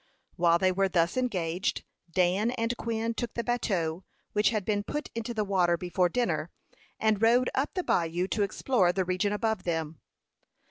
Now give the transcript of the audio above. While they were thus engaged, Dan and Quin took the bateau, which had been put into the water before dinner, and rowed up the bayou to explore the region above them.